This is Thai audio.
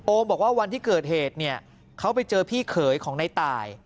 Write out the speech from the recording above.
บอกว่าวันที่เกิดเหตุเนี่ยเขาไปเจอพี่เขยของในตาย